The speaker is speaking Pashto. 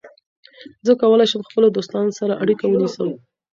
زه کولای شم د خپلو دوستانو سره اړیکه ونیسم.